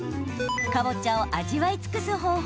かぼちゃを味わい尽くす方法